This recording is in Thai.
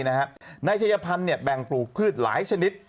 นายชัยพันธ์แบ่งปลูกพืชหลายชนิด